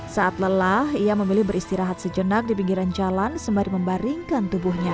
saat lelah ia memilih beristirahat sejenak di pinggiran jalan sembari membaringkan tubuhnya